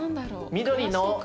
緑の。